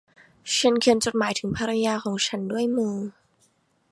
ฉันเขียนจดหมายถึงภรรยาของฉันด้วยมือ